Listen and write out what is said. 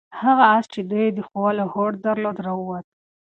هغه آس چې دوی یې د ښخولو هوډ درلود راووت.